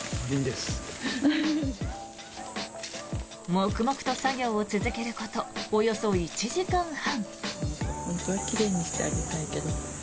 黙々と作業を続けることおよそ１時間半。